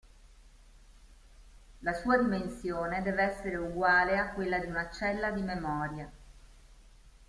La sua dimensione deve essere uguale a quella di una cella di memoria.